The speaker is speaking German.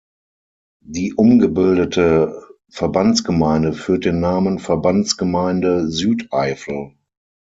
Die umgebildete Verbandsgemeinde führt den Namen „Verbandsgemeinde Südeifel“.